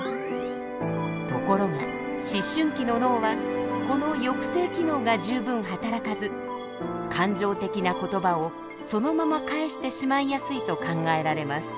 ところが思春期の脳はこの抑制機能が十分働かず感情的な言葉をそのまま返してしまいやすいと考えられます。